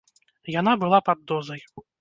Яна была пад дозай.